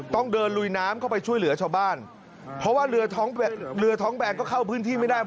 ต้องเดินลุยน้ำเข้าไปช่วยเหลือชาวบ้านเพราะว่าเรือท้องเรือท้องแบนก็เข้าพื้นที่ไม่ได้